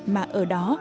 mà ở đó